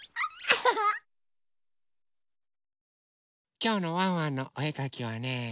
きょうの「ワンワンのおえかき」はね